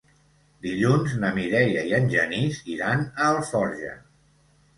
Dilluns na Mireia i en Genís iran a Alforja.